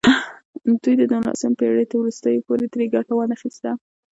دوی د نولسمې پېړۍ تر وروستیو پورې ترې ګټه وانخیسته.